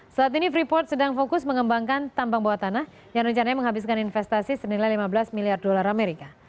saat ini freeport sedang fokus mengembangkan tambang bawah tanah yang rencananya menghabiskan investasi senilai lima belas miliar dolar amerika